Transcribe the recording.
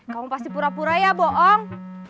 kamu pasti pura pura ya bohong